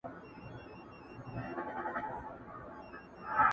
• ښه پوهېږم بې ګنا یم بې ګنا مي وړي تر داره.